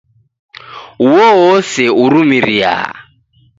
Uo ose urumiria